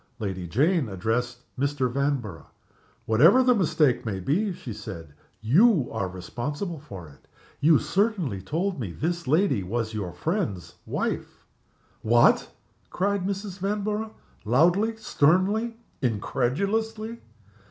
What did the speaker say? Lady Jane addressed Mr. Vanborough. "Whatever the mistake may be," she said, "you are responsible for it. You certainly told me this lady was your friend's wife." "What!!!" cried Mrs. Vanborough loudly, sternly, incredulously.